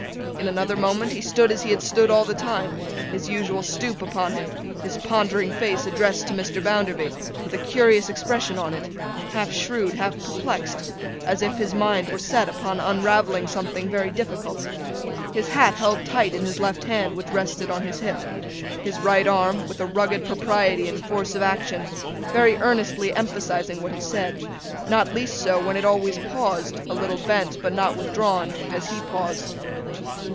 In another moment, he stood as he had stood all the time—his usual stoop upon him; his pondering face addressed to Mr. Bounderby, with a curious expression on it, half shrewd, half perplexed, as if his mind were set upon unravelling something very difficult; his hat held tight in his left hand, which rested on his hip; his right arm, with a rugged propriety and force of action, very earnestly emphasizing what he said: not least so when it always paused, a little bent, but not withdrawn, as he paused.